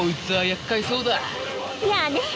やあねえ。